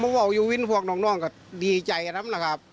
ผมว่าอยู่วิทย์ฟวกน้องก็ดีใจน้ำหนักครับ